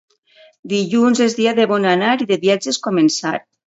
Dilluns és dia de bon anar i de viatges començar.